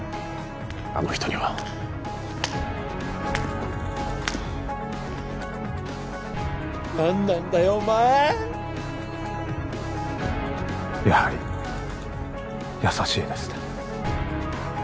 あの人には何なんだよお前やはり優しいですね